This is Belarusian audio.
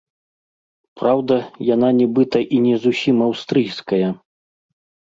Праўда, яна нібыта і не зусім аўстрыйская.